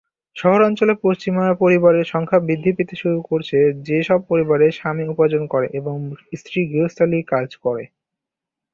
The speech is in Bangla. শহরাঞ্চলে পশ্চিমা রীতির পরিবারের সংখ্যা বৃদ্ধি পেতে শুরু করছে, যে সব পরিবারে স্বামী উপার্জন করে এবং স্ত্রী গৃহস্থালী কাজ করে।